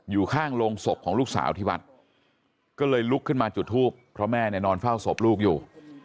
อยู่ข้างโรงศพของลูกสาวที่วัดก็เลยลุกขึ้นมาจุดทูปเพราะแม่เนี่ยนอนเฝ้าศพลูกอยู่